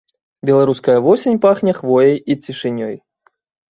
Беларуская восень пахне хвояй і цішынёй.